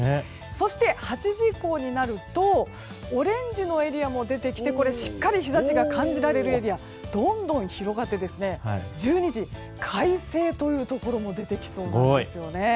そして、８時以降になるとオレンジのエリアも出てきてしっかり日差しが感じられるエリアどんどん広がって１２時、快晴というところも出てきそうなんですね。